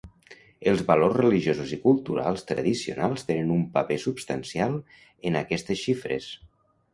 Els valors religiosos i culturals tradicionals tenen un paper substancial en aquestes xifres.